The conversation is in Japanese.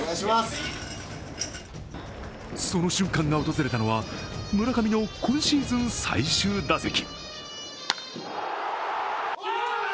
その瞬間が訪れたのは、村上の今シーズン最終打席。